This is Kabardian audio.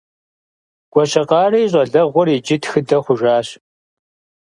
Гуащэкъарэ и щӀалэгъуэр иджы тхыдэ хъужащ.